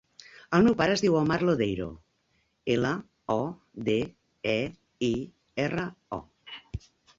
El meu pare es diu Omar Lodeiro: ela, o, de, e, i, erra, o.